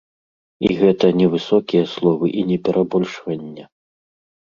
І гэта не высокія словы і не перабольшванне.